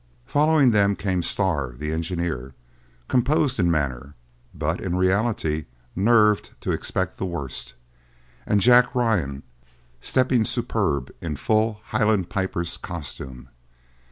Following them came Starr, the engineer, composed in manner, but in reality nerved to expect the worst, and Jack Ryan, stepping superb in full Highland piper's costume.